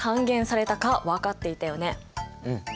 うん。